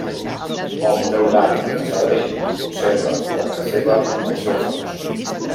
El Museu d'Art de Sabadell conserva obra seva al seu fons.